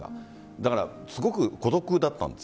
だからすごく孤独だったんです。